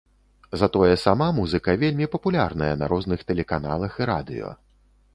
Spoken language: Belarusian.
Затое сама музыка вельмі папулярная на розных тэлеканалах і радыё.